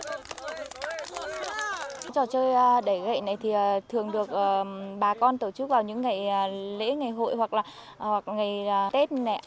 trò chơi đẩy gậy này thì thường được bà con tổ chức vào những ngày lễ ngày hội hoặc là ngày tết nè